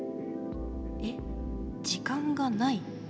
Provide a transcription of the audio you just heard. えっ時間がない？